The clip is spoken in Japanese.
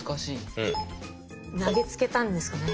投げつけたんですかね。